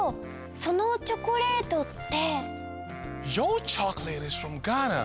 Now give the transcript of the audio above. そのチョコレートって。